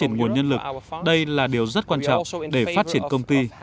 đây là một nguồn nhân lực đây là điều rất quan trọng để phát triển công ty